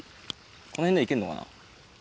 この辺のいけんのかな？